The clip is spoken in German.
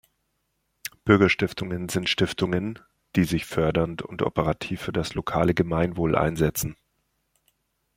Bürgerstiftungen sind Stiftungen, die sich fördernd und operativ für das lokale Gemeinwohl einsetzen.